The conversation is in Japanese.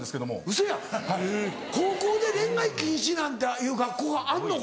ウソやん高校で恋愛禁止なんていう学校があんの？